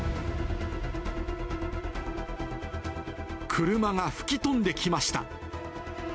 車が吹き飛んできました。